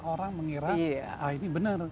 orang mengira ini benar